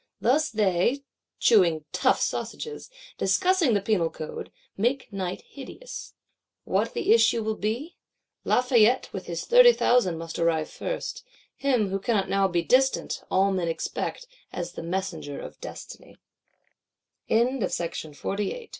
Thus they, chewing tough sausages, discussing the Penal Code, make night hideous. What the issue will be? Lafayette with his thirty thousand must arrive first: him, who cannot now be distant, all men expect, as the messenger of Destiny. Chapter 1.7.IX. Lafayette.